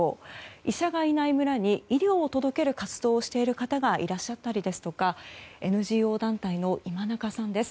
医者がいない村に医療を届ける活動をしている方がいらっしゃったりですとかＮＧＯ団体の今中さんです。